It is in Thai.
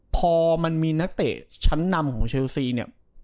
พอมันมีนักเตะชั้นนำของเชลซีเนี่ย